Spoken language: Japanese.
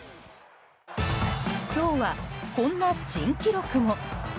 今日は、こんな珍記録も。